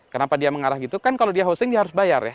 kenapa dia mengarah gitu kan kalau dia hosing dia harus bayar ya